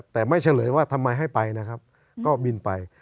แต่ไม่เฉลยว่าทำไมให้ไปนะครับก็บินไป